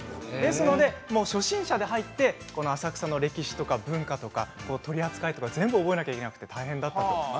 エースので初心者で入ってこの浅草の歴史とか文化とか取り扱いとか全部覚えなくちゃいけなくて大変だったと。